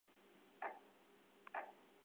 拉艾马莱尔布人口变化图示